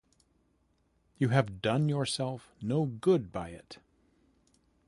You have done yourself no good by it.